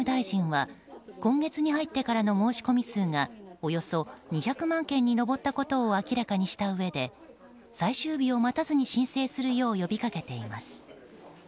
鈴木総務大臣は今月に入ってからの申込数がおよそ２００万件に上ったことを明らかにしたうえで最終日を待たずに申請するよう呼びかけています。